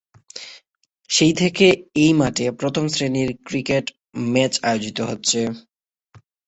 সেই থেকে এই মাঠে প্রথম শ্রেণীর ক্রিকেট ম্যাচ আয়োজিত হচ্ছে।